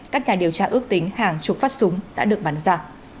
các nhà điều tra ước tính hàng chục phát súng đã được bắn ra